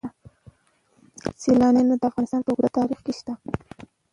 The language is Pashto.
سیلاني ځایونه د افغانستان په اوږده تاریخ کې شته.